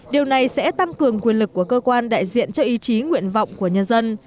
điều này sẽ tăng cường quyền lực của cơ quan đại diện cho ý chí nguyện vọng của nhân dân